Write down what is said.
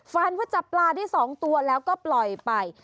ฝันว่าจับปลาได้๒ตัวแล้วก็ปล่อยไป